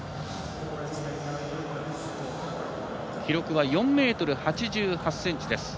記録は４ｍ８８ｃｍ。